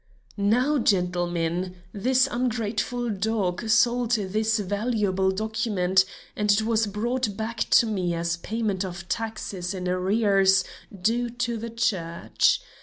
"Now, gentlemen, this ungrateful dog sold this valuable document, and it was brought back to me as payment of taxes in arrears due to the church.